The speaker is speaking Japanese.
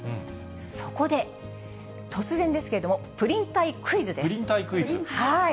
そこで突然ですけれども、プリンプリン体クイズ？